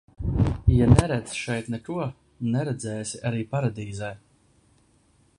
Ja neredzi šeit neko, neredzēsi arī paradīzē.